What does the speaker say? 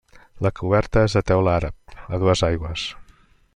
La coberta és de teula àrab, a dues aigües.